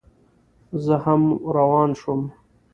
زه هم روان شوم.